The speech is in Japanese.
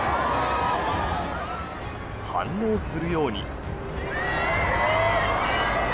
反応するように。